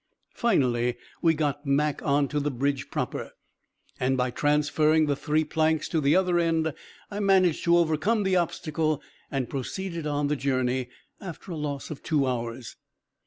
Finally we got Mac on to the bridge proper, and by transferring the three planks to the other end I managed to overcome the obstacle, and proceeded on the journey, after the loss of two hours.